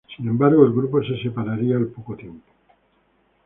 Sin embargo, el grupo se separaría al poco tiempo.